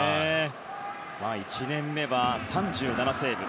１年目は３７セーブ。